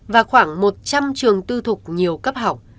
và khoảng một trăm linh trường tư thục nhiều cấp học